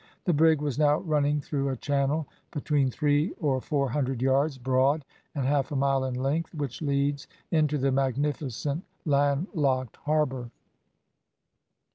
The brig was now running through a channel between three or four hundred yards broad, and half a mile in length, which leads into the magnificent landlocked harbour.